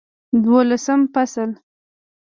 دولسم فصل